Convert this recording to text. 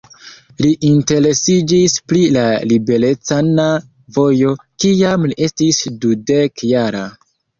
Li interesiĝis pri la liberecana vojo, kiam li estis dudek-jara.